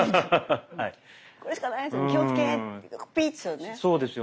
これしかないですよね。